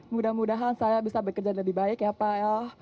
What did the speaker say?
mudah mudahan saya bisa bekerja lebih baik ya pak el